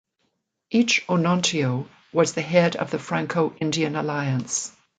Each Onontio was the head of the Franco-Indian alliance.